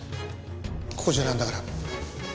ここじゃなんだから。